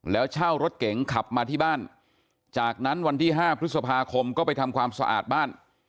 แล้วเช่ารถเก๋งขับมาที่บ้านจากนั้นวันที่๕พฤษภาคมก็ไปทำความสะอาดบ้าน